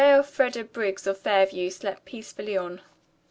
Elfreda Briggs, of Fairview, slept peacefully on.